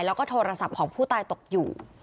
แล้วก็โทรศัพท์ของผู้ตายตกอยู่